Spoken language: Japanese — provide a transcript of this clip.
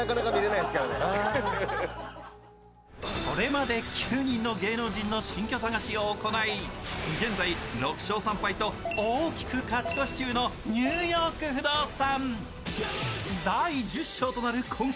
これまで９人の芸能人の新居探しを行い、現在６勝３敗と大きく勝ち越し中の「ニューヨーク不動産」。